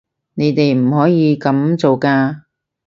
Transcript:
你哋唔可以噉做㗎